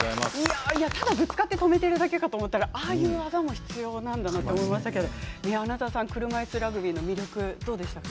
ただ、ぶつかって止めてるだけかと思ったらああいう技も必要なんだなと思いましたけども穴澤さん、車いすラグビーの魅力どうでしたか？